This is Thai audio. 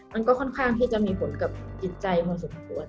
มันก็ค่อนข้างที่จะมีผลกับจิตใจพอสมควร